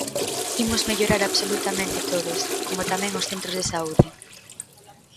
Imos mellorar absolutamente todos, como tamén os centros de saúde.